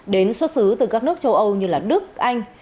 đến xuất xứ từ các nước châu âu như đức anh